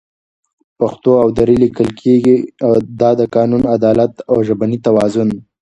پښتو او دري لیکل کېږي، دا د قانون، عدالت او ژبني توازن